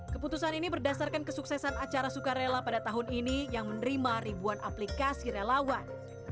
keputusan ini berdasarkan kesuksesan acara sukarela pada tahun ini yang menerima ribuan aplikasi relawan